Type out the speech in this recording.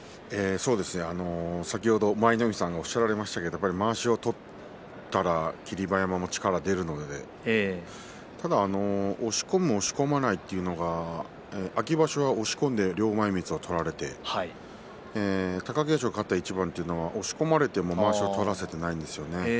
先ほど舞の海さんがおっしゃられましたけれどもまわしを取ったら霧馬山も力が出るのでただ、押し込む押し込まないというのが秋場所は押し込んで両前みつを取られて貴景勝が勝った一番というのは押し込まれても、まわしを取らせていないんですよね。